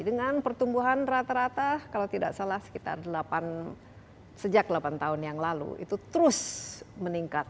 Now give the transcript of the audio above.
dengan pertumbuhan rata rata kalau tidak salah sekitar delapan tahun yang lalu itu terus meningkat